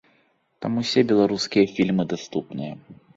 Там ўсе беларускія фільмы даступныя.